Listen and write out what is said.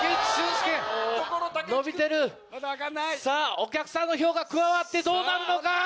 さぁお客さんの票が加わってどうなるのか？